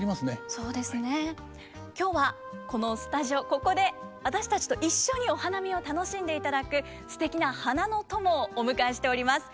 ここで私たちと一緒にお花見を楽しんでいただくすてきな花の友をお迎えしております。